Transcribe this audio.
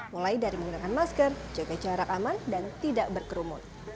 mulai dari menggunakan masker jaga jarak aman dan tidak berkerumun